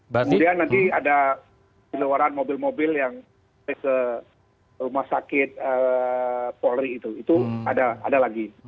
kemudian nanti ada di luaran mobil mobil yang ke rumah sakit polri itu itu ada lagi